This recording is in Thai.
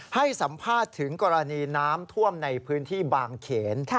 ให้สัมภาษณ์ถึงกรณีน้ำท่วมในพื้นที่บางเขน